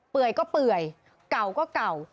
ยก็เปื่อยเก่าก็เก่า